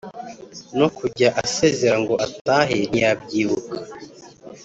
no kujya asezera ngo atahe ntiyabyibuka.